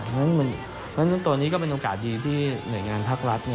เพราะฉะนั้นตัวนี้ก็เป็นโอกาสดีที่หน่วยงานภาครัฐ